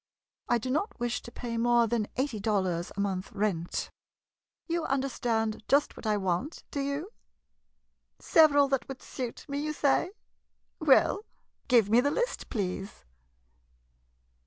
I do not wish to pay more than eighty dollars a month rent. You understand just what I want, do you ? Several that would suit me— ■ you say? Well, give me the list, please.